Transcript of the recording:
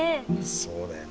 そうだよね。